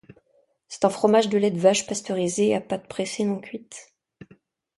C'est un fromage de lait de vache pasteurisé à pâte pressée non cuite.